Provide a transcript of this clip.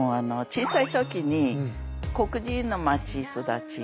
小さいときに黒人の街育ち。